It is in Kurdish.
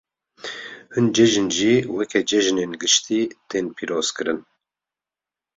Hin cejn, jî weke cejinên giştî tên pîrozkirin.